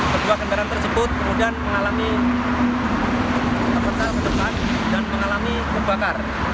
kedua kendaraan tersebut kemudian mengalami kebakar